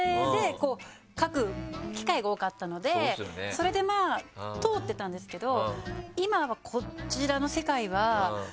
それで通ってたんですけど。